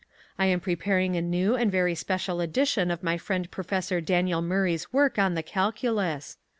I am preparing a new and very special edition of my friend Professor Daniel Murray's work on the Calculus.